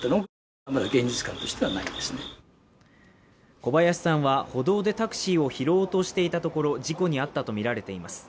小林さんは歩道でタクシーを拾おうとしていたところ、事故に遭ったとみられています。